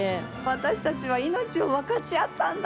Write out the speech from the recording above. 私たちは命を分かち合ったんだ！